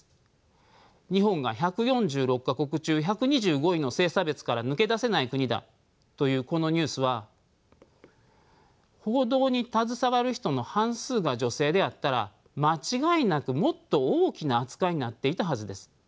日本が１４６か国中１２５位の性差別から抜け出せない国だというこのニュースは報道に携わる人の半数が女性であったら間違いなくもっと大きな扱いになっていたはずです。